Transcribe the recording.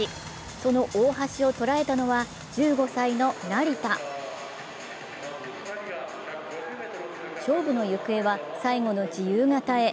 その大橋を捉えたのは、１５歳の成田勝負の行方は最後の自由形へ。